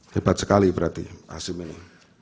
hebat sekali berarti asim ini